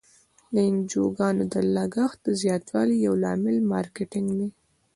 د انجوګانو د لګښت د زیاتوالي یو لامل مارکیټینګ دی.